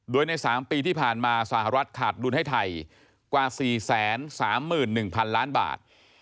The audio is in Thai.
โดยใน๓ปีที่ผ่านมาสหรัฐขาดดุลให้ไทยกว่า๔๓๑๐๐๐ล้านบาท